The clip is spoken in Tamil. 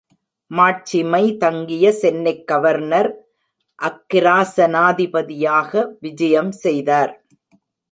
மாட்சிமை தங்கிய சென்னைக் கவர்னர் அக்கிராசனாதிபதியாக விஜயம் செய்தார்.